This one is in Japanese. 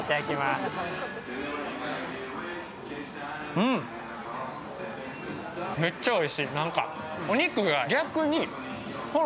うん、めっちゃおいしい。